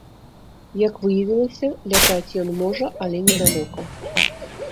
Як выявілася, лятаць ён можа, але недалёка.